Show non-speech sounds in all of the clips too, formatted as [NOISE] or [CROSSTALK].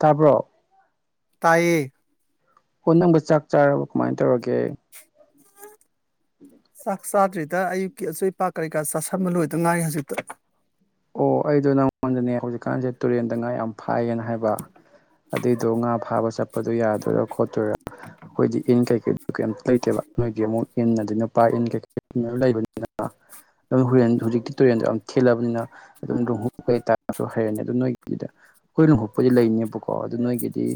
ꯇꯥꯕ꯭ꯔꯣ꯫ ꯇꯥꯏꯌꯦ꯫ ꯍꯣ ꯅꯪꯕꯨ ꯆꯥꯛ ꯆꯥꯔꯕ ꯀꯃꯥꯏꯟ ꯇꯧꯔꯒꯦ꯫ ꯆꯥꯛ ꯆꯥꯗ꯭ꯔꯤꯗ ꯑꯌꯨꯛꯀꯤ ꯑꯆꯣꯏꯄꯥ ꯀꯔꯤ ꯀꯥ ꯆꯥꯥꯁꯟꯕ ꯂꯣꯏꯗ ꯉꯥꯏꯔꯤ ꯍꯧꯖꯤꯛꯇ꯫ ꯑꯣ ꯑꯩꯗꯣ ꯅꯪꯉꯣꯟꯗꯅꯦ ꯍꯧꯖꯤꯛꯀꯥꯟꯁꯦ ꯇꯨꯔꯦꯟꯗ ꯉꯥ ꯌꯥꯝ ꯐꯥꯏꯌꯦꯅ ꯍꯥꯏꯕ꯫ ꯑꯗꯨꯏꯗꯣ ꯉꯥ ꯐꯥꯕ ꯆꯠꯄꯗꯣ ꯌꯥꯗꯣꯏꯔꯥ ꯈꯣꯠꯇꯣꯏꯔꯥ꯫ ꯑꯩꯈꯣꯏꯗꯤ ꯏꯟ ꯀꯩꯀꯩꯗꯨ ꯀꯩꯝꯇ ꯂꯩꯇꯦꯕ ꯅꯣꯏꯗꯤ ꯑꯃꯨꯛ ꯏꯟꯅꯗꯤ ꯅꯨꯄꯥ ꯏꯟ ꯀꯩꯀꯩ ꯂꯩꯕꯅꯤꯅ꯫ ꯑꯗꯨ ꯍꯣꯔꯦꯟ ꯍꯧꯖꯤꯛꯇꯤ ꯇꯨꯔꯦꯟꯗꯣ ꯌꯥꯝ ꯊꯦꯜꯂꯕꯅꯤꯅ꯫ ꯑꯗꯨꯝ ꯔꯨꯝꯍꯨ ꯀꯩꯇꯥꯥꯔꯁꯨ ꯍꯩꯔꯅꯤ ꯑꯗꯨ ꯅꯣꯏꯒꯤꯗ꯫ ꯑꯩꯈꯣꯏ ꯂꯨꯍꯨꯛꯄꯨꯗꯤ ꯂꯩꯅꯦꯕꯀꯣ ꯑꯗꯨ ꯅꯣꯏꯒꯤꯗꯤ꯫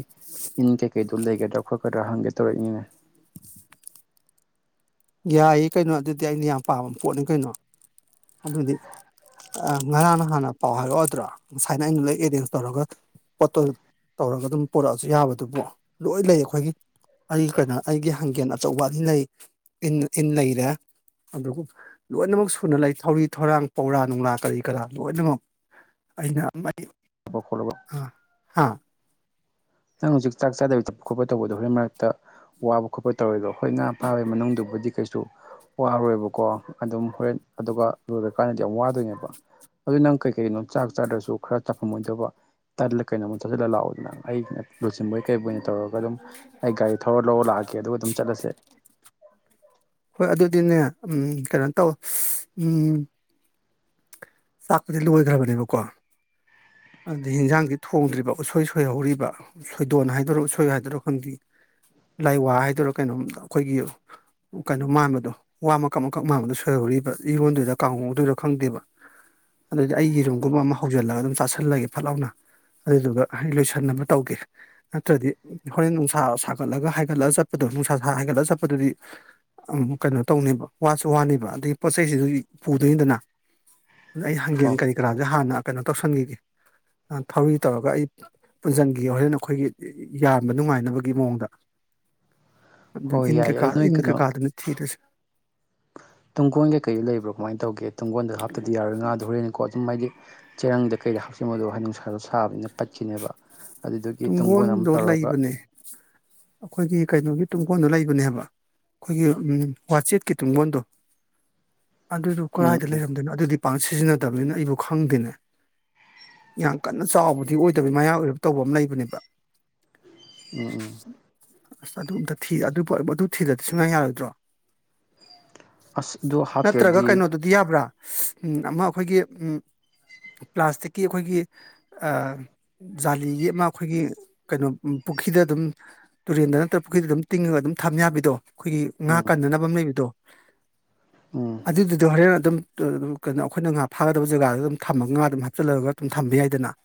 ꯏꯟ ꯀꯩꯀꯩꯗꯨꯣ ꯂꯩꯒꯗ꯭ꯔꯥ ꯈꯣꯠꯀꯗ꯭ꯔꯥ ꯍꯪꯒꯦ ꯇꯧꯔꯛꯏꯅꯦ꯫ ꯌꯥꯏꯌꯦ ꯀꯩꯅꯣ ꯑꯗꯨꯗꯤ ꯑꯩꯅ ꯌꯥꯝ ꯄꯥꯝꯕ ꯄꯣꯠꯅꯤ ꯀꯩꯅꯣ ꯑꯗꯨꯗꯤ꯫ ꯉꯔꯥꯡꯅ ꯍꯥꯟꯅ ꯄꯥꯎ ꯍꯥꯏꯔꯛꯑꯣꯗ꯭ꯔꯣ ꯉꯁꯥꯏꯅ ꯑꯩꯅ ꯂꯣꯏ ꯑꯦꯔꯦꯟꯖ ꯇꯧꯔꯒ꯫ ꯄꯣꯠꯇꯣ ꯇꯧꯔꯒ ꯑꯗꯨꯝ ꯄꯨꯔꯛꯑꯁꯨ ꯌꯥꯕꯗꯨꯕꯨ ꯂꯣꯏ ꯂꯩ ꯑꯩꯈꯣꯏꯒꯤ꯫ ꯑꯩ ꯀꯩꯅꯣ ꯑꯩꯒꯤ ꯍꯥꯡꯒꯦꯟ ꯑꯆꯧꯕ ꯑꯅꯤ ꯂꯩ꯫ ꯑꯗꯨꯕꯨ ꯂꯣꯏꯅꯃꯛ ꯁꯨꯅ ꯂꯩ ꯊꯧꯔꯤ ꯊꯧꯔꯥꯡ ꯄꯧꯔꯥ ꯅꯨꯡꯂꯥ ꯀꯔꯤ ꯀꯔꯥ ꯂꯣꯏꯅꯃꯛ꯫ ꯑꯩꯅ꯫ [UNINTELLIGIBLE] ꯑ ꯍꯥꯥ꯫ ꯅꯪ ꯍꯧꯖꯤꯛ ꯆꯥꯛ ꯆꯥꯗꯕꯤ ꯊꯛꯄ ꯈꯣꯠꯄ ꯇꯧꯕꯗꯣ ꯍꯣꯔꯦꯟ ꯃꯔꯛꯇ꯫ ꯋꯥꯕ ꯈꯣꯠꯄ ꯇꯧꯔꯦꯗꯣ ꯍꯣꯏ ꯉꯥ ꯐꯥꯕꯩ ꯃꯅꯨꯡꯗꯨꯕꯨꯗꯤ ꯀꯩꯁꯨ꯫ ꯋꯥꯔꯣꯏꯕꯀꯣ ꯑꯗꯨꯝ ꯍꯣꯔꯦꯟ ꯑꯗꯨꯒ ꯂꯣꯏꯔꯀꯥꯟꯗꯗꯤ ꯌꯥꯝ ꯋꯥꯗꯣꯏꯅꯦꯕ ꯑꯗꯨ ꯅꯪ ꯀꯩ ꯀꯔꯤꯅꯣ ꯆꯥꯛ ꯆꯥꯗ꯭ꯔꯁꯨ ꯈꯔ ꯆꯥꯐꯝ ꯑꫭꯏꯗꯧꯕ ꯇꯜꯂ ꯀꯩꯅꯣꯃ ꯆꯠꯁꯤꯜꯂ ꯂꯥꯛꯑꯣꯗꯅ ꯑꯩꯒꯤ ꯅ ꯂꯨꯆꯤꯡꯕꯣꯏ ꯀꯩꯔꯤꯕꯣꯏꯅ ꯇꯧꯔꯒ ꯑꯗꯨꯝ ꯑꯩ ꯒꯥꯔꯤ ꯊꯧꯔ ꯂꯧꯔ ꯂꯥꯛꯑꯒꯦ ꯑꯗꯨꯒ ꯑꯗꯨꯝ ꯆꯠꯂꯁꯦ ꯍꯣꯏ ꯑꯗꯨꯗꯤꯅꯦ ꯎꯝ ꯀꯩꯅꯣ ꯇꯧ ꯎꯝ ꯆꯥꯛꯄꯁꯦ ꯂꯣꯏꯈ꯭ꯔꯕꯅꯦꯕꯀꯣ ꯑꯗꯨꯗꯩ ꯍꯤꯟꯖꯥꯡꯗꯤ ꯊꯣꯡꯗ꯭ꯔꯤꯕ ꯎꯁꯣꯏ ꯁꯣꯏꯍꯧꯔꯤꯕ꯫ ꯁꯣꯏꯗꯣꯟ ꯍꯥꯏꯗꯣꯔꯣ ꯁꯣꯏ ꯍꯥꯏꯗꯣꯏꯔꯣ ꯈꯪꯗꯦ ꯂꯥꯏ ꯋꯥ ꯍꯥꯏꯗꯣꯏꯔꯣ ꯀꯩꯅꯣꯝ ꯑꯩꯈꯣꯏꯒꯤ꯫ ꯀꯩꯅꯣ ꯃꯥꯟꯕꯗꯣ ꯋꯥ ꯃꯀꯛ ꯃꯀꯛ ꯃꯥꯟꯕꯗꯣ ꯁꯣꯏꯍꯧꯔꯤꯕ ꯏꯔꯣꯟꯗꯣꯏꯔ ꯀꯥꯡꯍꯧꯗꯣꯏꯔ ꯈꯪꯗꯦꯕ꯫ ꯑꯗꯨꯗꯤ ꯑꯩꯒꯤ ꯔꯨꯝꯒꯨꯝꯕ ꯑꯃ ꯍꯧꯖꯤꯜꯂꯒ ꯑꯗꯨꯝ ꯆꯥꯥꯁꯜꯂꯒꯦ ꯐꯠꯍꯥꯎꯅ ꯑꯗꯨꯗꯨꯒ ꯑꯩ ꯂꯣꯏꯁꯟꯅꯕ ꯇꯧꯒꯦ꯫ ꯅꯠꯇ꯭ꯔꯗꯤ ꯍꯣꯔꯦꯟ ꯅꯨꯡꯁꯥ ꯁꯥꯒꯠꯂꯒ ꯍꯥꯏꯒꯠꯂ ꯆꯠꯄꯗꯣ ꯅꯨꯡꯁꯥ ꯍꯥꯏꯒꯠꯂ ꯆꯠꯄꯗꯨꯗꯤ꯫ ꯀꯩꯅꯣ ꯇꯧꯅꯦꯕ ꯋꯥꯁꯨ ꯋꯥꯅꯦꯕ ꯑꯗꯒꯤ ꯄꯣꯠꯆꯩꯁꯤꯁꯨ ꯄꯨꯗꯣꯏꯅꯤꯗꯅ꯫ ꯑ ꯑꯩ ꯍꯪꯒꯦꯟ ꯍꯣꯏ ꯀꯔꯤ ꯍꯣꯏ ꯀꯔꯥꯁꯦ ꯍꯥꯟꯅ ꯀꯩꯅꯣ ꯇꯧꯁꯟꯈꯤꯒꯦ ꯊꯧꯔꯤ ꯇꯧꯔꯒ ꯑꯩ꯫ ꯄꯨꯟꯖꯟꯈꯤꯒꯦ ꯍꯣꯔꯦꯟ ꯑꯩꯈꯣꯏꯒꯤ ꯌꯥꯟꯕ ꯅꯨꯡꯉꯥꯏꯅꯕꯒꯤ ꯃꯑꯣꯡꯗ꯫ [UNINTELLIGIBLE] ꯑꯗꯨ ꯏꯟ ꯌꯥꯏꯌꯦ ꯑꯗꯨ ꯀꯀꯥ ꯅꯣꯏ ꯏꯟ ꯀꯩꯅꯣ ꯀꯀꯥꯗꯨꯅ ꯊꯤꯔꯁꯦ ꯇꯨꯡꯒꯣꯟ ꯀꯩꯗ ꯂꯩꯕ꯭ꯔꯣ ꯀꯃꯥꯏꯅ ꯇꯧꯒꯦ ꯇꯨꯡꯒꯣꯟꯗ ꯍꯥꯞꯇꯗꯤ ꯌꯥꯔꯣꯏ ꯉꯥꯗꯣ ꯍꯣꯔꯦꯟꯅꯤꯀꯣ ꯑꯗꯨꯝ ꯍꯥꯏꯗꯤ ꯆꯦꯔꯪꯗ ꯀꯩꯗ ꯍꯥꯥꯞꯆꯟꯕꯗꫭ ꯍꯩ ꯅꯨꯡꯁꯥꯗꯣ ꯁꯥꯕꯅꯤꯅ ꯀꯠꯈꯤꯅꯦꯕ ꯑꯗꯨꯗꯨꯒꯤ ꯇꯨꯡꯒꯣꯟ ꯑꯃ ꯇꯨꯡꯒꯣꯟꯗꯣ ꯇꯧꯔꯒ ꯂꯩꯕꯅꯦ ꯑꯩꯈꯣꯏꯒꯤ ꯀꯩꯅꯣꯒꯤ ꯇꯨꯡꯈꯣꯟꯗꯣ ꯂꯩꯕꯅꯦꯕ ꯑꯩꯈꯣꯏꯒꯤ ꯋꯥꯆꯦꯠꯀꯤ ꯇꯨꯡꯕꯣꯟꯗꯣ [UNINTELLIGIBLE] ꯑꯗꯨꯗꯨ ꯎꯝ ꯀꯗꯥꯥꯏꯗ ꯎꯝ ꯂꯩꯔꯝꯗꯣꯏꯣ ꯑꯗꯨꯗꯤ ꯄꯥꯛ ꯁꯤꯖꯤꯟꯅꯗꯕꯅꯤꯅ ꯑꯩꯕꯨ ꯈꯪꯗꯦꯅꯦ ꯌꯥꯝ ꯀꯟꯅ ꯆꯥꯎꯕꯗꯤ ꯑꯣꯏꯗ ꯅꯠꯇꯕꯤ ꯃꯌꯥ ꯑꯣꯏꯔꯕ ꯇꯧꯕ ꯑꯃ ꯂꯩꯕꯅꯦꯕ ꯎꯝ ꯎꯝ ꯑꯁ ꯑꯗꯨ ꯑꯝꯇ ꯑꯗꯨ ꯊꯤꯗꯗꯤ ꯁꯨꯡꯉꯥꯏ ꯌꯥꯔꯣꯏꯗ꯭ꯔꯣ ꯑꯁ ꯑꯗꯨ ꯅꯠꯇ꯭ꯔꯒ ꯍꯥꯞꯇ꯭ꯔꯗꯤ ꯀꯩꯅꯣꯗꯨꯗꯤ ꯌꯥꯕ꯭ꯔꯥ ꯎꯝ ꯑꯃ ꯑꯩꯈꯣꯏꯒꯤ ꯎꯝ ꯄ꯭ꯂꯥꯁꯇꯤꯛꯀꯤ ꯑꯩꯈꯣꯏꯒꯤ ꯖꯥꯂꯤꯒꯤ ꯑꯃ ꯑꯩꯈꯣꯏꯒꯤ ꯀꯩꯅꯣ ꯄꯨꯈ꯭ꯔꯤꯗ ꯑꯗꯨꯝ ꯇꯨꯔꯦꯟꯗ ꯅꯠꯇ꯭ꯔꯒ ꯄꯨꯈ꯭ꯔꯤꯗ ꯑꯗꯨꯝ ꯇꯤꯡꯉꯒ ꯑꯗꯨꯝ ꯊꯝ ꯌꯥꯕꯤꯗꯣ ꯑꯩꯈꯣꯏꯒꯤ ꯉꯥ ꯎꯝ ꯀꯟꯅꯅꯕ ꯑꯃ ꯂꯩꯕꯗꯣ ꯎꯝ ꯑꯗꯨꯗꯨꯗꯣ ꯍꯣꯔꯦꯟ ꯑꯗꯨꯝ ꯀꯩꯅꯣ ꯑꯩꯈꯣꯏꯅ ꯉꯥ ꯐꯥꯒꯗꯕ ꯖꯒꯥꯗꯨꯗ ꯑꯗꯨꯝ ꯊꯝꯃꯒꯥ ꯑꯗꯨꯝ ꯍꯥꯞꯆꯜꯂꯒ ꯑꯗꯨꯝ ꯊꯝꯕ ꯌꯥꯏꯗꯅ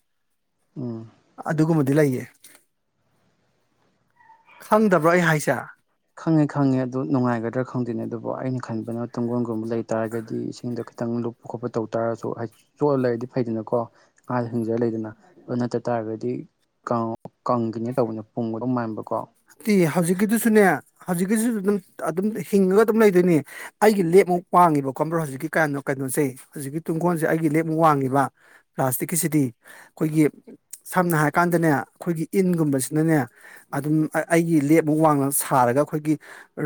ꯎꯝ ꯑꯗꯨꯒꯨꯝꯕꯗꯤ ꯂꯩꯌꯦ ꯈꯪꯗꯕ꯭ꯔꯣ ꯑꯩ ꯍꯥꯏꯁꯦ ꯈꯪꯉꯦ ꯈꯪꯉꯦ ꯑꯗꯨ ꯅꯨꯡꯉꯥꯏꯒꯗ꯭ꯔꯥ ꯈꯪꯗꯣꯏꯅꯦ ꯑꯗꯨꯕꯨ ꯑꯩꯅ ꯈꯟꯕꯅ ꯇꯨꯡꯒꯣꯟꯒꯨꯝꯕ ꯂꯩ ꯇꯥꯔꯒꯗꯤ ꯏꯁꯤꯡꯗꯣ ꯈꯤꯇꯪ ꯂꯨꯞ ꯈꯣꯠꯄ ꯇꯧ ꯇꯥꯔꯁꯨ ꯆꯣꯠꯂ ꯂꯩꯔꯗꯤ ꯐꯩꯗꯅꯀꯣ ꯑꯥꯗ ꯍꯤꯡꯖ ꯂꯩꯗꯅ ꯑꯗꯨ ꯅꯠꯇ ꯇꯥꯔꯒꯗꯤ ꯀꯪꯉ ꯀꯪꯈꯤꯅꯦ ꯇꯧꯕꯅ ꯄꯨꯡꯒꯗꯧ ꯃꯥꯟꯕꯀꯣ ꯇꯤ ꯍꯧꯖꯤꯛꯀꯤꯗꯨꯁꯨꯅꯦ ꯍꯧꯖꯤꯛꯀꯤꯗꯨꯁꯨ ꯑꯗꯨꯝ ꯑꯗꯨꯝ ꯍꯤꯡꯉꯒ ꯑꯗꯨꯝ ꯂꯩꯗꯣꯏꯅꯦ ꯑꯩꯒꯤ ꯂꯦꯞꯃꯨꯛ ꯋꯥꯡꯉꯤꯕ ꯈꯣꯕ꯭ꯔꯣ ꯍꯧꯖꯤꯛꯀꯤ ꯀꯅꯣ ꯀꯩꯅꯣꯁꯦ ꯍꯧꯖꯤꯛꯀꯤ ꯇꯨꯡꯈꯣꯟꯁꯦ ꯑꯩꯒꯤ ꯂꯦꯞꯃꯨꯛ ꯋꯥꯡꯉꯤꯕ ꯄ꯭ꯂꯥꯁꯇꯤꯛꯀꯤꯁꯤꯗꯤ ꯑꯩꯈꯣꯏꯒꯤ ꯁꯝꯅ ꯍꯥꯏꯔꯀꯥꯟꯗꯅꯦ ꯑꯩꯈꯣꯏꯒꯤ ꯏꯟꯒꯨꯝꯕꯁꯤꯅꯅꯦ ꯑꯗꯨꯝ ꯑꯩꯒꯤ ꯂꯦꯞꯃꯨꯛ ꯋꯥꯡꯃꯅ ꯁꯥꯔꯒ ꯑꯩꯈꯣꯏꯒꯤ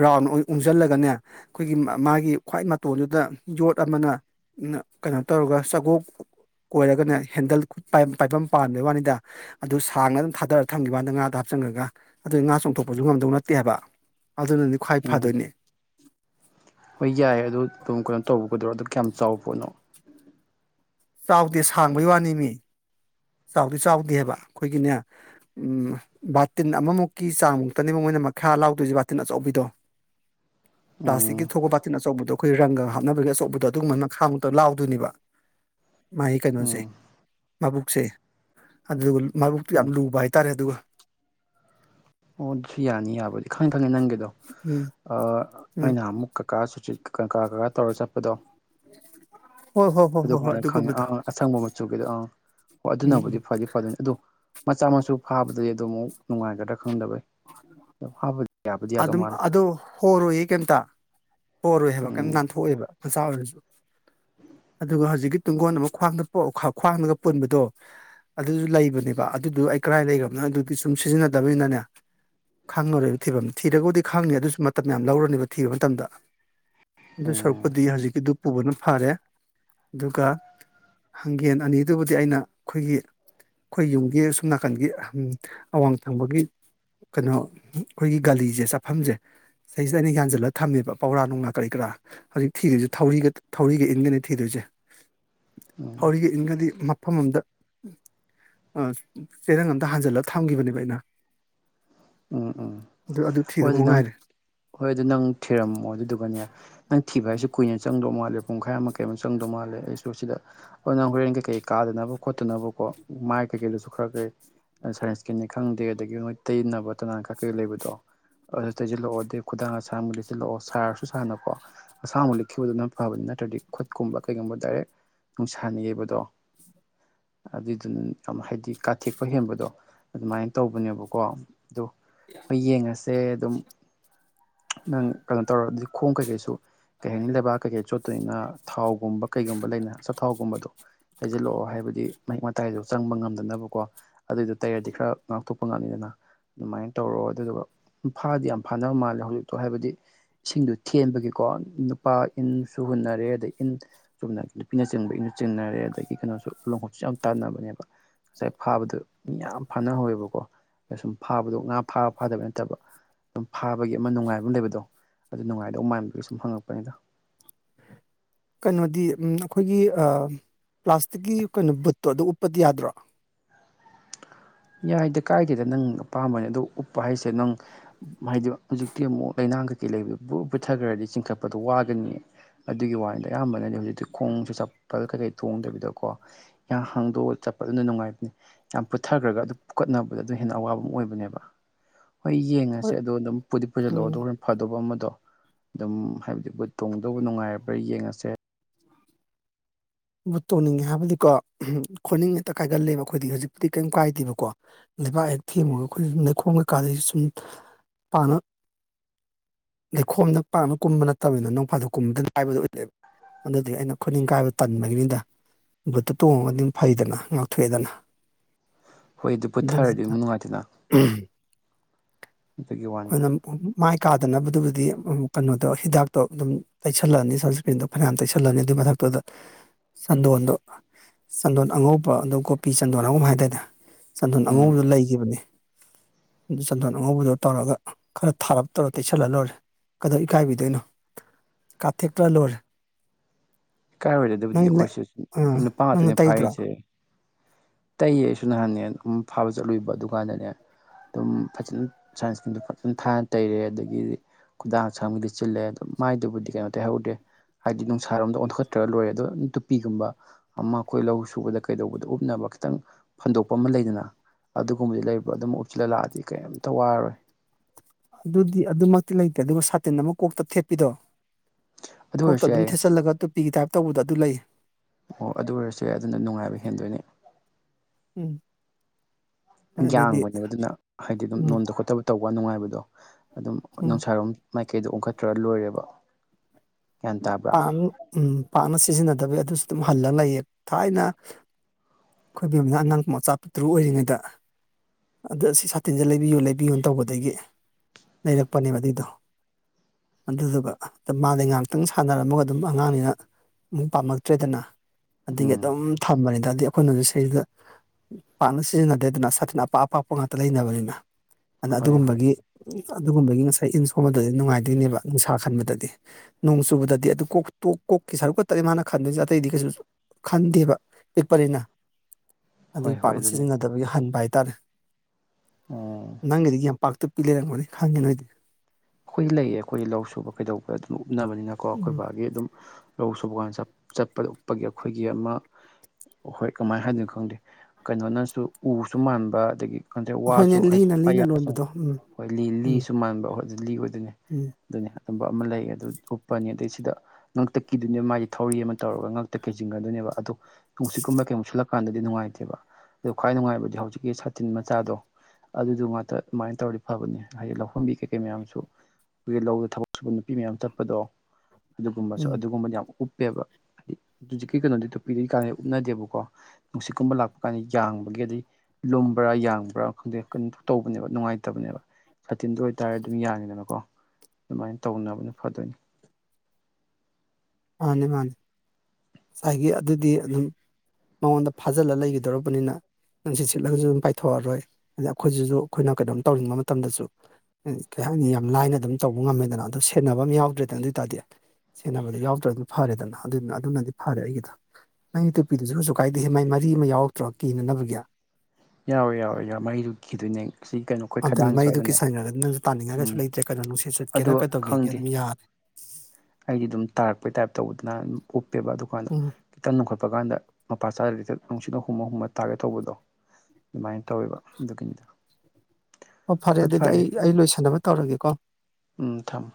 ꯔꯥꯎꯟ ꯑꯣꯏꯅ ꯎꯟꯁꯤꯜꯂꯒꯅꯦ ꯑꯩꯈꯣꯏꯒꯤ ꯃꯥꯒꯤ ꯈ꯭ꯋꯥꯏ ꯃꯇꯣꯟꯗꯨꯗ ꯌꯣꯠ ꯑꯃꯅ ꯀꯩꯅꯣ ꯇꯧꯔꯒ ꯆꯒꯣꯛ ꯀꯣꯏꯔꯒꯅ ꯍꯦꯟꯗꯜ ꯄꯥꯏꯐꯝ ꯄꯥꯟꯕꯩ ꯋꯥꯅꯤꯗ ꯑꯗꯨ ꯁꯥꯡꯅ ꯑꯗꯨꯝ ꯊꯥꯗꯔ ꯊꯝꯈꯤꯕꯗ ꯉꯥꯗ ꯍꯥꯞꯆꯟꯒꯔꯒ ꯑꯗꯨ ꯉꯥ ꯆꯣꯡꯊꯣꯛꯄꯁꯨ ꯉꯝꯗꯧ ꯅꯠꯇꯦ ꯍꯥꯏꯕ ꯑꯗꯨꯅꯅꯤ ꯈ꯭ꯋꯥꯏ ꯎꯝ ꯐꯗꯣꯏꯅꯤ ꯍꯣꯏ ꯌꯥꯏꯌꯦ ꯑꯗꯨꯗ ꯑꯗꯨꯝ ꯀꯩꯅꯣ ꯇꯧꯕꯒꯗ꯭ꯔꯣ ꯑꯗꯨ ꯀꯌꯥꯝ ꯆꯥꯎꯕ ꯄꯣꯠꯅꯣ ꯆꯥꯎꯗꯦ ꯁꯥꯡꯕꯩ ꯋꯥꯅꯤ ꯃꯤ ꯆꯥꯎꯗꯤ ꯆꯥꯎꯗꯦ ꯍꯥꯏꯕ ꯑꯩꯈꯣꯏꯒꯤꯅꯦ ꯕꯥꯇꯤꯟ ꯑꯃꯃꯨꯛꯀꯤ ꯆꯥꯡ ꯃꯨꯛꯇꯅꯦꯕ ꯃꯣꯏꯅ ꯃꯈꯥ ꯂꯥꯎꯗꯣꯏꯁꯤ ꯕꯥꯇꯤꯟ ꯑꯆꯧꯕꯤꯗꯣ [UNINTELLIGIBLE] ꯄ꯭ꯂꯥꯁꯇꯤꯛꯀꯤ ꯊꯣꯛꯄ ꯄꯥꯇꯤꯟ ꯑꯆꯧꯕꯗꯣ ꯑꯩꯈꯣꯏ ꯔꯪꯒ ꯍꯥꯞꯅꯕꯒꯤ ꯑꯆꯧꯕꯗꯣ ꯑꯗꯨꯒꯨꯝꯕ ꯃꯈꯥ ꯃꯨꯇ ꯂꯥꯎꯗꯣꯏꯅꯦꯕ ꯃꯥꯒꯤ ꯀꯩꯅꯣꯁꯦ ꯎꯝ ꯃꯥꯕꯨ ꯁꯦ ꯑꯗꯨ ꯃꯕꯨꯛꯇꯨ ꯌꯥꯝ ꯎꯝ ꯂꯨꯕ ꯍꯥꯏꯇꯥꯔꯦ ꯑꯗꯨꯒ ꯑꯣ ꯑꯗꯨꯁꯨ ꯌꯥꯅꯤ ꯌꯥꯕꯨꯗꯤ ꯈꯪꯉꯦ ꯈꯪꯉꯦ ꯅꯪꯒꯤꯗꯣ ꯎꯝ ꯎꯝ ꯑꯩꯅ ꯑꯃꯨꯛ ꯀꯀꯥ ꯁꯨꯆꯠ ꯀꯀꯥ ꯀꯀꯥ ꯇꯧꯔ ꯆꯠꯄꯗꯣ ꯍꯣꯏ ꯍꯣꯏ ꯍꯣꯏ ꯍꯣꯏ ꯍꯣꯏ ꯑꯗꯨꯃꯥꯏꯅ ꯈꯪꯉꯦ ꯑꯗꯨꯒꯨꯝꯕꯗꯣ ꯑꯪ ꯑꯁꯪꯕ ꯃꯆꯨꯒꯤꯗꯣ ꯑꯪ ꯍ ꯎꯝ ꯎꯝ ꯑꯗꯨꯅꯕꯨꯗꯤ ꯐꯗꯤ ꯐꯗꯣꯏꯅꯤ ꯑꯗꯨꯗꯣ ꯃꯆꯥ ꯃꯁꯨ ꯐꯥꯕꯗꯗꯤ ꯑꯗꯨꯝꯃꯨꯛ ꯅꯨꯡꯉꯥꯏꯒꯗ꯭ꯔꯥ ꯈꯪꯗꯕꯩ ꯑꯗꯣ ꯐꯥꯕꯗꯤ ꯌꯥꯕꯨꯗꯤ ꯌꯥꯗꯧ ꯑꯗꯨꯝ ꯃꯥꯜꯂꯦ ꯑꯗꯨ ꯍꯔꯣꯏꯌꯦ ꯀꯩꯝꯇ ꯄꯔꯣꯏ ꯍꯥꯏꯕ ꯀꯩꯝ ꯎꯝ ꯅꯥꯟꯊꯣꯛꯑꯦꯕ ꯃꯆꯥ ꯑꯣꯏꯔꯁꯨ ꯑꯗꯨꯒ ꯍꯧꯖꯤꯛꯀꯤ ꯇꯨꯡꯒꯣꯟ ꯑꯃ ꯈ꯭ꯋꯥꯡꯗ ꯈ꯭ꯋꯥꯡꯂꯒ ꯄꯨꯟꯕꯗꯣ ꯑꯗꯨꯁꯨ ꯂꯩꯕꯅꯦꯕ ꯑꯗꯨꯗꯨ ꯑꯩ ꯀꯔꯥꯏ ꯂꯩꯈ꯭ꯔꯕꯅꯣ ꯑꯗꯨꯗꯤ ꯁꯨꯝ ꯁꯤꯖꯤꯟꯅꯗꯕꯅꯤꯅꯅꯦ ꯈꯪꯉꯔꯣꯏꯕ ꯐꯤꯕꯝ ꯊꯤꯔꯒꯕꯨꯗꯤ ꯈꯪꯅꯤ ꯑꯗꯨꯁꯨ ꯃꯇꯝ ꯌꯥꯝ ꯂꯧꯔꯅꯦꯕ ꯊꯤꯕ ꯃꯇꯝꯗ ꯑꯗꯨ ꯎꯝ ꯁꯔꯨꯛꯄꯨꯗꯤ ꯍꯧꯖꯤꯛꯀꯤꯗꯨ ꯄꯨꯕꯅ ꯐꯔꯦ ꯑꯗꯨꯒ ꯍꯪꯒꯦꯟ ꯑꯅꯤꯗꯨꯕꯨꯗꯤ ꯑꯩꯅ ꯑꯩꯈꯣꯏꯒꯤ ꯑꯩꯈꯣꯏ ꯌꯨꯝꯒꯤ ꯑꯁꯣꯝ ꯅꯥꯀꯟꯒꯤ ꯑꯋꯥꯡ ꯊꯪꯕꯒꯤ ꯀꯩꯅꯣ ꯑꯩꯈꯣꯏꯒꯤ ꯒꯥꯂꯤꯁꯦ ꯆꯥꯐꯝꯁꯦ ꯆꯍꯤꯁꯤꯗ ꯑꯩꯅ ꯌꯥꯟꯁꯤꯜꯂꯒ ꯊꯝꯃꯦꯕ ꯄꯧꯔꯥ ꯅꯨꯡꯉꯥ ꯀꯔꯤ ꯀꯔꯥ ꯍꯧꯖꯤꯛ ꯊꯤꯔꯤꯣꯏꯁꯦ ꯊꯧꯔꯤꯒ ꯊꯧꯔꯤꯒ ꯏꯟꯒꯅꯤ ꯊꯤꯗꯣꯏꯁꯦ ꯎꯝ ꯊꯧꯔꯤ ꯌꯦꯅꯤꯡꯒꯗꯤ ꯃꯐꯝ ꯑꯗ ꯑ ꯆꯦꯔꯪ ꯑꯝꯇ ꯍꯟꯖꯜꯂꯒ ꯊꯝꯈꯤꯕꯅꯦꯕ ꯑꯩꯅ ꯎꯝ ꯎꯝ ꯑꯗꯨ ꯍꯣꯏ ꯊꯤꯗꯧ ꯑꯗꯨ ꯅꯪ ꯃꯉꯥꯏꯔꯦ ꯍꯣꯏ ꯑꯗꯨ ꯅꯪ ꯊꯤꯔꯝꯃꯑꯣ ꯑꯗꯨꯗꯨꯒꯅꯦ ꯅꯪ ꯊꯤꯕ ꯍꯥꯏꯁꯦ ꯀꯨꯏꯅ ꯆꯪꯗꯧ ꯃꯥꯜꯂꯦ ꯄꯨꯡꯈꯥꯏ ꯑꯃ ꯀꯩ ꯑꯃ ꯆꯪꯗꯧ ꯃꯥꯜꯂꯦ ꯑꯩꯁꯨ ꯁꯤꯗ ꯍꯣꯏ ꯅꯪ ꯍꯣꯔꯦꯟ ꯀꯩꯀꯩ ꯀꯥꯗꯅꯕ ꯈꯣꯠꯇꯅꯕꯀꯣ ꯃꯥꯏ ꯀꯩꯀꯩꯗꯁꯨ ꯈꯔ ꯀꯩ ꯁꯟ ꯏꯁꯀ꯭ꯔꯤꯟꯅꯤ ꯈꯪꯗꯦ ꯑꯗꯒꯤ ꯃꯣꯏ ꯇꯩꯅꯕ ꯇꯅꯥꯅ ꯈꯔ ꯀꯩ ꯂꯩꯕꯗꯣ ꯑꯗꯨ ꯇꯩꯁꯤꯜꯂꯛꯑꯣ ꯑꯗꯩ ꯈꯨꯗꯥꯡ ꯑꯁꯥꯡꯒꯤ ꯂꯩꯁꯤꯜꯂꯛꯑꯣ ꯁꯥꯔꯁꯨ ꯁꯥꯥꯟꯅꯀꯣ ꯃꯁꯥ ꯑꯃꯨꯛ ꯂꯤꯈꯤꯕꯗꯨꯅ ꯐꯕꯅꯤ ꯅꯠꯇ꯭ꯔꯗꯤ ꯈꯨꯠꯀꯨꯝꯕ ꯀꯩꯒꯨꯝꯕ ꯗꯥꯏꯔꯦꯛ ꯅꯨꯡꯁꯥꯅꯤꯡꯉꯦꯕꯗꯣ ꯑꯗꯨꯏꯗꯨꯅ ꯍꯥꯏꯗꯤ ꯀꯥꯊꯦꯛꯄ ꯍꯦꯟꯕꯗꯣ ꯑꯗꯨꯃꯥꯏꯅ ꯇꯧꯕꯅꯦꯕꯀꯣ ꯑꯗꯣ ꯑꯩꯣꯏ ꯌꯦꯡꯉꯁꯦ ꯑꯗꯨꯝ ꯅꯪ ꯀꯩꯅꯣ ꯇꯧꯔ ꯑꯗꯨꯗꯤ ꯈꯣꯡ ꯀꯩꯀꯩꯁꯨ ꯀꯩ ꯍꯥꯏꯅꯤ ꯂꯩꯕꯥꯛ ꯀꯩꯀꯩ ꯆꯣꯠꯇꯣꯏꯅ ꯊꯥꯎꯒꯨꯝꯕ ꯀꯩꯒꯨꯝꯕ ꯂꯩꯅ ꯑ ꯆꯆꯥꯊꯥꯎꯒꯨꯝꯕꯗꯣ ꯇꯩꯁꯤꯜꯂꯛꯑꯣ ꯍꯥꯏꯕꯗꯤ ꯃꯍꯤꯛ ꯃꯇꯥꯏꯗꯣ ꯆꯪꯕ ꯉꯝꯗꯅꯕꯀꯣ ꯑꯗꯨꯏꯗꯨ ꯇꯌꯔꯗꯤ ꯈꯔ ꯉꯥꯛꯊꯣꯛꯄ ꯉꯅꯤꯗꯅ ꯑꯗꯨꯃꯥꯏꯅ ꯇꯧꯔꯣ ꯑꯗꯨꯗꯨꯒ ꯐꯥꯗꯤ ꯌꯥꯝ ꯐꯅꯕ ꯃꯥꯜꯂꯦ ꯍꯧꯖꯤꯛꯇꯣ ꯍꯥꯏꯕꯗꯤ ꯁꯤꯡꯗꯨ ꯊꯦꯟꯕꯒꯤꯀꯣ ꯅꯨꯄꯥ ꯏꯟꯁꯨ ꯍꯨꯟꯅꯔꯦ ꯑꯗꯩ ꯏꯟ ꯆꯨꯝꯅ ꯅꯨꯄꯤꯅꯆꯤꯡꯕ ꯏꯁꯨ ꯆꯤꯡꯟꯅꯔꯦ ꯑꯗꯒꯤ ꯀꯩꯅꯣꯁꯨ ꯂꯣꯡꯈꯣꯛꯁꯨ ꯌꯥꯝ ꯇꯥꯟꯅꯕꯅꯦꯕ ꯉꯁꯥꯏ ꯐꯥꯕꯗ ꯃꯤ ꯌꯥꯝ ꯐꯥꯅꯍꯧꯋꯦꯕꯀꯣ ꯑ ꯁꯨꯝ ꯐꯥꯕꯗꯣ ꯉꯥ ꯐꯥꯕ ꯐꯥꯗꯕ ꯅꯠꯇꯕ ꯑꯗꯨꯝ ꯐꯥꯕꯒꯤ ꯑꯃ ꯅꯨꯡꯉꯥꯏꯕ ꯑꯃ ꯂꯩꯕꯗꯣ ꯑꯗꯨ ꯅꯨꯡꯉꯥꯏꯗꯧ ꯃꯥꯟꯕꯗꯨꯁꯨ ꯁꯨꯝ ꯍꯪꯉꯛꯄꯅꯤꯗ ꯀꯩꯅꯣꯗꯤ ꯑꯩꯈꯣꯏꯒꯤ ꯄ꯭ꯂꯥꯁꯇꯤꯛꯀꯤ ꯀꯩꯅꯣ ꯕꯨꯠꯇꯣ ꯑꯗꯨꯗꯣ ꯎꯞꯄꯗꯤ ꯌꯥꯗ꯭ꯔꯣ ꯌꯥꯏꯗꯤ ꯀꯥꯏꯒꯦꯗ ꯅꯪ ꯑ ꯄꯥꯝꯕꯅꯦ ꯑꯗꯨꯣ ꯎꯞꯄ ꯍꯥꯏꯁꯦ ꯅꯪ ꯍꯥꯏꯗꯤ ꯍꯧꯖꯤꯛꯇꯤ ꯑꯃꯨꯛ ꯂꯩꯥꯏꯅꯥꯡ ꯀꯀꯩ ꯂꯩꯕ ꯄꯨꯊꯈ꯭ꯔꯗꯤ ꯆꯤꯡꯈꯠꯄꯗꯣ ꯋꯥꯒꯅꯤ ꯑꯗꯨꯒꯤ ꯋꯥꯗ ꯑꯌꯥꯝꯕꯅꯗꯤ ꯍꯧꯖꯤꯛꯇꯤ ꯈꯣꯡꯁꯨꯦ ꯆꯄꯜ ꯀꯩꯀꯩ ꯊꯣꯡꯗꯕꯤꯗꯀꯣ ꯌꯥꯝ ꯍꯥꯡꯗꯣꯛꯑꯒ ꯆꯠꯄꯗꯨꯅ ꯅꯨꯡꯉꯥꯏꯕꯅꯤ ꯌꯥꯝ ꯄꯨꯊꯈ꯭ꯔꯒ ꯄꯨꯀꯠꯅꯕꯗ ꯑꯗꯨ ꯍꯦꯟꯅ ꯑꯋꯥꯕ ꯑꯃ ꯑꯣꯏꯕꯅꯦꯕ ꯍꯣꯏ ꯌꯦꯡꯉꯁꯦ ꯍꯣꯏ ꯑꯗꯣ ꯑꯗꯨꯝ ꯄꯨꯗꯤ ꯄꯨꯁꯤꯜꯂꯛꯑꯣ ꯎꯝ ꯑꯗꯨꯒ ꯐꯗꯕ ꯑꯃꯗꯣ ꯑꯗꯨꯝ ꯍꯥꯏꯕꯗꯤ ꯇꯣꯡꯗꯕꯨ ꯅꯨꯡꯉꯥꯏꯔꯕ꯭ꯔꯥ ꯌꯦꯡꯉꯁꯦ ꯕꯨ ꯇꯣꯡꯅꯤꯡꯉꯦ ꯍꯥꯏꯕꯗꯤꯀꯣ ꯎ ꯈꯅꯤꯡ ꯍꯦꯛꯇ ꯀꯥꯏꯒꯜꯂꯦꯕ ꯑꯩꯈꯣꯏꯗꯤ ꯍꯧꯖꯤꯛꯄꯨꯗꯤ ꯀꯩꯝ ꯀꯥꯏꯗꯦꯕꯀꯣ ꯂꯩꯕꯥꯛ ꯍꯦꯛ ꯊꯦꯝꯃꯒ ꯑꯩꯈꯣꯏ ꯂꯩꯈꯣꯝ ꯀꯩꯀꯥꯗ ꯁꯨꯝ ꯄꯥꯅ ꯂꯩꯈꯣꯝꯗ ꯄꯥꯛꯅ ꯀꯨꯝꯕ ꯅꯠꯇꯕꯅꯤꯅ ꯅꯣꯡꯐꯥꯗ ꯀꯨꯝꯕꯗ ꯍꯥꯏꯕꯗꯨ ꯑꯣꯏꯕ ꯑꯗꯨꯗꯤ ꯑꯩꯅ ꯈꯨꯅꯤꯡ ꯀꯥꯏꯕꯗ ꯇꯟꯕꯒꯤꯅꯤꯗ ꯚꯨꯠꯇꯨ ꯇꯣꯡꯉꯒꯗꯤ ꯐꯩꯗꯅ ꯉꯥꯛꯊꯣꯛꯑꯦꯗꯅ ꯍꯣꯏ ꯑꯗꯨ ꯄꯨꯊꯔꯗꯤ ꯑꯃꯨꯛ ꯅꯨꯡꯉꯥꯏꯇꯗꯅ ꯎꯝ [INAUDIBLE] ꯏꯒꯤ ꯋꯥꯟꯗ ꯃꯥꯏ ꯀꯥꯗꯅꯕꯗꯨꯕꯨꯗꯤ ꯀꯩꯅꯣꯗꯣ ꯍꯤꯗꯥꯛꯇꯣ ꯑꯗꯨꯝ ꯇꯩꯁꯜꯂꯅꯤ ꯁꯁꯄꯤꯦꯟꯗ ꯐꯅꯌꯥꯝ ꯇꯩꯁꯜꯂꯅꯤ ꯑꯗꯨꯏ ꯃꯊꯛꯇꯨꯗ ꯆꯟꯗꯣꯟꯗꯣ ꯆꯟꯗꯣꯟ ꯑꯉꯧꯕ ꯑꯗ ꯀꯣꯄꯤ ꯆꯟꯗꯣꯟ ꯑꯉꯨꯝ ꯍꯥꯏꯇꯥꯗ ꯆꯟꯗꯣꯟ ꯎꯝ ꯑꯉꯧꯕꯗꯨ ꯂꯩꯈꯤꯕꯅꯦ ꯑꯗꯨ ꯆꯟꯗꯣꯟ ꯑꯉꯧꯕꯗꯣ ꯇꯧꯔꯒ ꯈꯔ ꯊꯥꯔꯞ ꯇꯧꯔ ꯇꯩꯁꯜꯍ ꯂꯣꯏꯔꯦ ꯀꯗꯧ ꯏꯀꯥꯏꯕꯤꯗꯣꯏꯅꯣ ꯀꯥꯊꯦꯛꯇ꯭ꯔ ꯂꯣꯏꯔꯦ ꯀꯥꯏ ꯑꯣꯏꯔꯦ ꯅꯪ ꯑꯗꯨ ꯂꯩ ꯀꯣꯏꯁꯤ ꯑꯥ ꯅꯪꯅ ꯅꯨꯄꯥꯇꯅꯤ ꯇꯩꯗ꯭ꯔꯣ ꯐꯥꯏꯁ ꯇꯩꯌꯦꯁꯨ ꯅꯍꯥꯟꯅꯦ ꯑꯗꯨꯝ ꯐꯥꯕ ꯆꯠꯂꯨꯏꯕ ꯑꯗꯨꯗꯨꯀꯥꯟꯗꯅꯦ ꯑꯗꯨꯝ ꯐꯖꯅ ꯁꯟ ꯏꯁꯀ꯭ꯔꯤꯟꯗꯣ ꯐꯖꯅ ꯊꯥꯅ ꯇꯩꯔꯦ ꯑꯗꯒꯤꯗꯤ ꯈꯨꯗꯥꯡꯁꯥꯡꯒꯤꯗꯤ ꯆꯤꯜꯂꯦ ꯑꯣ ꯃꯥꯏꯗꯨꯕꯨꯗꯤ ꯀꯩꯅꯣ ꯇꯩꯍꯧꯗꯦ ꯍꯥꯏꯗꯤ ꯅꯨꯡꯁꯥꯔꯣꯝꯗ ꯑꯣꯟꯊꯠ ꯠꯇ꯭ꯔ ꯂꯣꯏꯔꯦ ꯑꯗꯣ ꯇ ꯅꯨꯄꯤꯒꯨꯝꯕ ꯑꯃ ꯑꯩꯈꯣꯏ ꯂꯧ ꯁꯨꯕꯗ ꯀꯩꯗꯧꯕꯗ ꯎꯞꯅꯕ ꯈꯤꯇꯪ ꯐꯟꯗꯣꯛꯄ ꯑꯃ ꯂꯩꯗꯅ ꯑꯗꯨꯒꯨꯝꯕꯗꯤ ꯂꯩꯕ꯭ꯔꯥ ꯑꯗꯨꯝ ꯎꯞꯇꯨꯜ ꯑꯥꯂꯥꯗꯤ ꯀꯩꯝꯇ ꯋꯥꯔꯣꯏ ꯑꯗꯨꯗꯤ ꯑꯗꯨꯃꯛꯇꯤ ꯂꯩꯇꯦ ꯑꯗꯨꯒ ꯁꯥꯇꯤꯟ ꯑꯃ ꯀꯣꯛꯇ ꯊꯦꯠꯄꯤꯗꯣ ꯑꯗꯨ ꯀꯣꯛꯇ ꯑꯣꯏꯔꯁꯨ ꯑꯗꯨꯝ ꯌꯥꯏꯌꯦ ꯊꯦꯠꯆꯜꯂꯒ ꯇꯨꯞꯄꯤꯒꯤ ꯇꯥꯏꯞ ꯇꯧꯕꯗꯣ ꯑꯗꯨ ꯂꯩ ꯑꯣ ꯑꯗꯨ ꯑꯣꯏꯔꯁꯨ ꯌꯥꯏ ꯑꯗꯨꯅ ꯅꯨꯡꯉꯥꯏꯕ ꯍꯦꯟꯗꯣꯏꯅꯤ ꯎꯝ ꯍꯣꯏ ꯑꯗꯨꯗꯤ ꯌꯥꯡꯕꯅꯦꯕ ꯑꯗꯨꯅ ꯍꯥꯏꯗꯤ ꯑꯗꯨꯝ ꯎꯝ ꯅꯣꯝꯗ ꯈꯣꯠꯇꯕ ꯇꯧꯕ ꯅꯨꯡꯉꯥꯏꯕꯗꯣ ꯑꯗꯨꯝ ꯎꯝ ꯅꯨꯡꯁꯥꯔꯣꯝ ꯃꯥꯏꯀꯩꯗꯣ ꯑꯣꯟꯈꯠꯠꯇ꯭ꯔꯒ ꯂꯣꯏꯔꯦꯕ ꯒ꯭ꯌꯥꯟ ꯇꯥꯕ꯭ꯔꯥ ꯄꯥꯛ ꯎꯝ ꯄꯥꯛꯅ ꯁꯤꯖꯤꯟꯅꯗꯕꯩ ꯑꯗꯨꯁꯨ ꯑꯗꯨꯝ ꯍꯜꯂꯒ ꯂꯩꯌꯦ ꯊꯥꯏꯅ ꯑꯩꯈꯣꯏꯕꯝꯅ ꯑꯉꯥꯡ ꯃꯆꯥ ꯄꯇꯔꯨ ꯑꯣꯏꯔꯤꯉꯩꯗ ꯑꯗ ꯁꯤ ꯁꯥꯇꯤꯟꯁꯦ ꯂꯩꯕꯤꯌꯣ ꯂꯩꯕꯤꯌꯨꯅ ꯇꯧꯕꯗꯒꯤ ꯂꯩꯔꯛꯄꯅꯦꯕ ꯑꯗꯨꯏꯗꯣ ꯑꯗꯨꯗꯨꯒ ꯃꯥꯗꯩ ꯉꯥꯏꯍꯥꯛꯇꯪ ꯁꯥꯟꯅꯔꯝꯃꯒ ꯑꯗꯨꯝ ꯑꯉꯥꯡꯅꯤꯅ ꯑꯃ ꯄꯥꯝꯂꯛꯇ꯭ꯔꯦꯗꯅ ꯑꯗꯨꯗꯒꯤ ꯎꯝ ꯑꯗꯨꯝ ꯊꯝꯕꯅꯤꯗꯗꯤ ꯑꯩꯈꯣꯏꯅꯁꯨ ꯏꯁꯩꯁꯤꯗ ꯄꯥꯛꯅ ꯁꯤꯖꯤꯟꯅꯗꯦꯗꯅ ꯁꯥꯊꯤꯟ ꯑꯄꯥꯛ ꯑꯄꯥꯛꯄ ꯉꯥꯛꯇ ꯂꯩꯅꯕꯅꯤꯅ ꯑꯗꯨꯅ ꯍꯣꯏ ꯍꯣꯏ ꯑꯗꯨꯒꯨꯝꯕꯒꯤ ꯑꯗꯨꯒꯨꯝꯕꯒꯤ ꯉꯁꯥꯏ ꯏꯟ ꯁꯣꯕꯗꯗꯤ ꯅꯨꯡꯉꯥꯏꯗꯣꯏꯅꯦꯕ ꯅꯨꯡꯁꯥ ꯈꯟꯕꯗꯗꯤ ꯅꯣꯡ ꯆꯨꯕꯗꯗꯤ ꯑꯗꯨ ꯀꯣꯛ ꯇꯣꯛ ꯀꯣꯛꯀꯤꯩ ꯁꯔꯨꯛ ꯀꯛꯇꯅꯤ ꯃꯥꯅ ꯈꯟꯗꯦ ꯑꯥꯇꯩꯗꯤ ꯀꯩꯁꯨ ꯈꯟꯗꯦꯕ ꯄꯤꯛꯄꯅꯤꯅ ꯑꯗꯨꯒꯤ ꯍꯣꯏ ꯍꯣꯏ ꯄꯥꯛꯠꯅ ꯑꯗꯨꯅꯤ ꯁꯤꯖꯤꯟꯅꯗꯕꯒꯤ ꯍꯟꯕ ꯍꯥꯏꯇꯥꯔꯦ ꯎꯝ ꯅꯪꯒꯤꯗꯤ ꯀ ꯄꯥꯛꯇ ꯄꯤ ꯂꯩꯔꯝꯒꯅꯤ ꯈꯪꯉꯦ ꯅꯣꯏꯗꯤ ꯑꯩꯈꯣꯏꯗꯤ ꯂꯩꯌꯦ ꯑꯩꯈꯣꯏꯗꯤ ꯂꯧ ꯁꯨꯕ ꯀꯩꯗꯧꯕ ꯑꯗꯨꯝ ꯎꯞꯅꯕꯅꯤꯅꯀꯣ ꯑꯩꯈꯣꯏ ꯎꯝ ꯕꯥꯒꯤ ꯑꯗꯨꯝ ꯂꯧ ꯁꯨꯕꯀꯥꯟ ꯆꯠꯄꯗ ꯎꯞꯄꯒꯤ ꯑꯩꯈꯣꯏꯒꯤ ꯑꯃ ꯍꯣꯏ ꯀꯃꯥꯏꯅ ꯍꯥꯏꯗꯣꯏꯅꯣ ꯈꯪꯗꯦ ꯀꯩꯅꯣꯅꯁꯨ ꯎꯁꯨ ꯃꯥꯟꯕ ꯑꯗꯒꯤ ꯀꯟꯗ꯭ꯔꯦ ꯍꯣꯏꯅꯦ ꯋꯥꯁꯨ ꯍꯥꯏꯗꯤ ꯂꯤꯅ ꯂꯤꯅ ꯄꯌꯥꯁꯨ ꯂꯣꯟꯕꯗꯣ ꯎꯝ ꯍꯣꯏ ꯂꯤ ꯎꯝ ꯂꯤꯁꯨ ꯃꯥꯟꯕꯣꯏ ꯂꯤ ꯑꯣꯏꯗꯣꯏꯅꯦ ꯎꯝ ꯑꯗꯨꯅꯦ ꯑꯗꯨꯝꯕ ꯑꯃ ꯂꯩ ꯑꯗꯨ ꯎꯞꯄꯅꯤ ꯑꯗꯩ ꯁꯤꯗ ꯉꯛꯇ ꯀꯤꯗꯣꯏꯅꯦꯕ ꯃꯥꯒꯤ ꯊꯧꯔꯤ ꯑꯃ ꯇꯧꯔꯒ ꯉꯥꯛꯛꯇ ꯀꯩ ꯆꯤꯡꯒꯗꯣꯏꯕ ꯑꯗꯣ ꯅꯨꯡꯁꯤꯠꯀꯨꯝꯕ ꯀꯩꯃꯨꯛꯁꯤꯜꯂꯛꯄ ꯀꯀꯥꯟꯗꯗꯤ ꯅꯨꯡꯉꯥꯏꯇꯦꯕ ꯑꯗꯨꯣ ꯈ꯭ꯋꯥꯏ ꯅꯨꯡꯉꯥꯏꯕꯗꯤ ꯍꯧꯖꯤꯛꯀꯤ ꯁꯥꯇꯤꯟ ꯃꯆꯥꯗꯣ ꯑꯗꯨꯗꯨ ꯉꯥꯛꯇ ꯑꯗꯨꯃꯥꯏꯅ ꯇꯧꯔꯗꯤ ꯐꯕꯅꯦ ꯍꯥꯏꯗꯤ ꯂꯧꯐꯝꯕꯤ ꯀꯩ ꯀꯩ ꯃꯌꯥꯝꯁꯨ ꯑꯩꯈꯒꯤ ꯂꯧꯗ ꯊꯕꯛ ꯁꯨꯕ ꯅꯨꯄꯤ ꯃꯌꯥꯝ ꯆꯠꯄꯗꯣ ꯑꯗꯨꯒꯨꯝꯕꯁꯨ ꯎꯝ ꯑꯗꯨꯒꯨꯝꯕꯗꯤ ꯌꯥꯝ ꯎꯞꯄꯦꯕ ꯍꯥꯏꯗꯤ ꯍꯧꯖꯤꯛꯀꯤ ꯀꯩꯅꯣꯗꯤ ꯇꯣꯄꯤꯗꯩ ꯀꯥꯟꯅꯩ ꯎꯞꯅꯗꯦꯕꯀꯣ ꯅꯨꯡꯁꯤꯠꯀꯨꯝꯕ ꯂꯥꯛꯄ ꯀꯥꯟꯗ ꯌꯥꯡꯕꯒꯤꯗꯤ ꯂꯨꯝꯕ꯭ꯔꯥ ꯌꯥꯡꯕ꯭ꯔꯥ ꯈꯪꯗꯦ ꯀꯩꯅ ꯇꯧꯕꯅꯦꯕ ꯅꯨꯡꯉꯥꯏꯇꯕꯅꯦꯕ ꯁꯥꯇꯤꯟꯗꯨ ꯑꯣꯏ ꯗꯥꯏꯔ ꯑꯗꯨꯝ ꯌꯥꯡꯉꯤꯗꯅꯀꯣ ꯑꯗꯨꯃꯥꯏꯅ ꯇꯧꯅꯕꯅ ꯐꯗꯣꯏꯅꯤ ꯃꯥꯅꯤ ꯃꯥꯅꯤ ꯉꯁꯥꯏꯒꯤ ꯑꯗꯨꯗꯤ ꯑꯗꯨꯝ ꯃꯉꯣꯟꯗ ꯐꯥꯖꯤꯜꯂ ꯂꯩꯒꯗꯧꯔꯕꯅꯤꯅ ꯅꯨꯡꯁꯤꯠ ꯁꯤꯠꯂꯒꯁꯨ ꯑꯗꯨꯝ ꯄꯥꯏꯊꯣꯛꯑꯔꯣꯏ ꯑꯗꯩ ꯑꯩꯈꯣꯏꯁꯨ ꯑꯩꯈꯣꯏꯅ ꯀꯩꯅꯣꯝ ꯇꯧꯅꯤꯡꯕ ꯃꯇꯝꯗꯁꯨ ꯀꯩ ꯍꯥꯏꯅꯤ ꯌꯥꯝ ꯂꯥꯏꯅ ꯑꯗꯨꯝ ꯇꯧꯕ ꯉꯝꯃꯦꯗꯅ ꯑꯗꯨ ꯁꯦꯠꯅꯕ ꯑꯃ ꯌꯥꯎꯗ꯭ꯔꯦꯗꯅ ꯑꯗꯨ ꯑꯣꯏꯇꯥꯔꯗꯤ ꯁꯦꯟꯅꯕꯗꯤ ꯌꯥꯎꯗ꯭ꯔꯗꯤ ꯐꯔꯦꯗꯅ ꯑꯗꯨ ꯑꯗꯨꯅꯗꯤ ꯐꯔꯦ ꯑꯩꯒꯤꯗꯣ꯫ ꯅꯪꯒꯤ ꯇꯨꯄꯤꯗꯨꯖꯨ ꯀꯩꯁꯨ ꯀꯥꯏꯗꯦ ꯃꯥꯏ ꯃꯔꯤ ꯑꯃ ꯌꯥꯎꯔꯛꯇ꯭ꯔꯣ ꯀꯤꯅꯅꯕꯒꯤ꯫ ꯌꯥꯎꯋꯦ ꯌꯥꯎꯋꯦ ꯌꯥ ꯃꯩꯔꯨꯈꯤꯗꯣꯏꯅꯦ ꯁꯤ ꯀꯩꯅꯣ ꯑꯩꯈꯣꯏ ꯑꯗꯨꯅꯤ ꯈꯗꯥꯡꯒꯤ ꯃꯔꯤꯗꯨꯒꯤ ꯁ꯭ꯋꯥꯏꯗꯅꯦ ꯁꯥꯏꯅꯔꯒꯗꯤ ꯅꯪꯁꯨ ꯇꯥꯅꯤꯡꯉꯒ ꯀꯁꯨ ꯎꯝ ꯂꯩꯇ꯭ꯔ ꯀꯩꯅꯣ ꯑꯗꯣ ꯅꯨꯡꯁꯤꯠꯔ ꯀꯩ ꯇꯧꯒꯦꯒꯦ ꯈꯪꯗꯦ ꯑꯗꯨꯝ ꯌꯥꯔꯦ ꯑꯩꯗꯤ ꯑꯗꯨꯝ ꯇꯥꯔꯛꯄꯩ ꯇꯥꯏꯞꯇ ꯇꯧꯕꯗꯨꯅ ꯑꯗꯨ ꯎꯞꯄꯦꯕ ꯑꯗꯨꯀꯥꯟꯗ ꯎꯝ ꯈꯤꯇꯪ ꯅꯅꯨꯡꯈꯠꯄ ꯀꯥꯟꯗ ꯃꯄꯥ ꯆꯆꯥꯗꯗꯤ ꯂꯤꯊ ꯅꯨꯡꯠ ꯍꯨꯝꯃ ꯍꯨꯝꯃ ꯇꯥꯔꯒꯦꯠ ꯇꯧꯕꯗꯣ ꯑꯗꯨꯃꯥꯏꯅ ꯇꯧꯋꯦꯕ ꯑꯗꯨꯒꯤꯅꯤꯗ ꯑꯣ ꯐꯔꯦ ꯑꯗꯨꯗꯤ ꯑꯩ ꯑꯩ ꯂꯣꯏꯁꯟꯅꯕ ꯇꯧꯔꯒꯦꯀꯣ ꯎꯝ ꯊꯝ